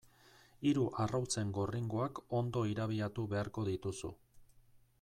Hiru arrautzen gorringoak ondo irabiatu beharko dituzu.